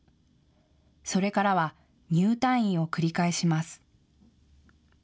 それからは入退院を繰り返します。